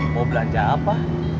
mau belanja apa